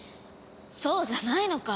そうじゃないのか？